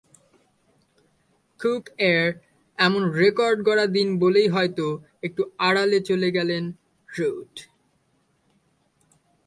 কুকের এমন রেকর্ড গড়া দিন বলেই হয়তো একটু আড়ালে চলে গেলেন রুট।